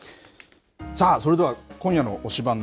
さあ、それでは今夜の推しバン！